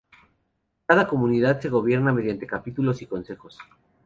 Cada comunidad se gobierna mediante capítulos y consejos.